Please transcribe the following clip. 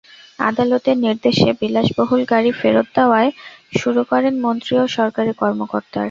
আদালতের নির্দেশে বিলাসবহুল গাড়ি ফেরত দেওয়াও শুরু করেন মন্ত্রী ও সরকারি কর্মকর্তার।